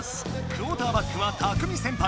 クオーターバックはタクミ先輩。